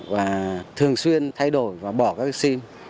và thường xuyên thay đổi và bỏ các sim